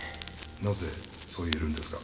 なぜそう言えるんですか？